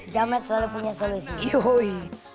jamat selalu punya solusi